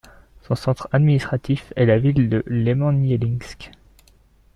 Son centre administratif est la ville de Iemanjelinsk.